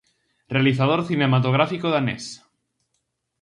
Realizador cinematográfico danés.